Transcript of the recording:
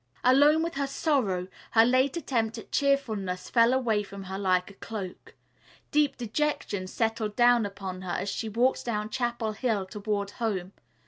Alone with her sorrow, her late attempt at cheerfulness fell away from her like a cloak. Deep dejection settled down upon her as she walked down Chapel Hill toward home.